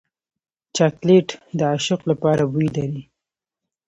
چاکلېټ د عاشق لپاره بوی لري.